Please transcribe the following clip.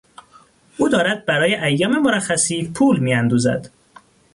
او دارد برای ایام مرخصی پول میاندوزد.